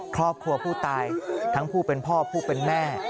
ครอบครัวผู้ตายทั้งผู้เป็นพ่อผู้เป็นแม่